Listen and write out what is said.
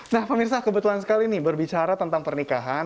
nah pemirsa kebetulan sekali nih berbicara tentang pernikahan